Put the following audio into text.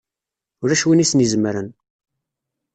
Ulac win i sen-izemren!